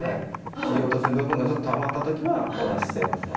切り落としの部分がちょっとたまったときは、お出ししていますので。